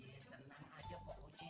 ya tenang aja pokoknya